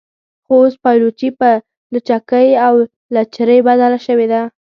خو اوس پایلوچي په لچکۍ او لچرۍ بدله شوې ده.